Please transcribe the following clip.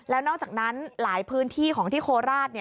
แล้วนอกจากนั้นหลายพื้นที่ของที่โคราช